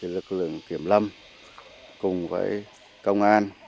lực lượng kiểm lâm cùng với công an